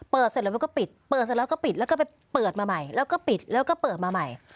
เสร็จแล้วมันก็ปิดเปิดเสร็จแล้วก็ปิดแล้วก็ไปเปิดมาใหม่แล้วก็ปิดแล้วก็เปิดมาใหม่